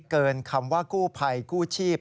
เกินคำว่ากู้ภัยกู้ชีพ